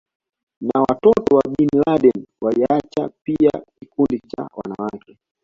wa watoto wa Bin Laden Waliacha pia kikundi cha wanawake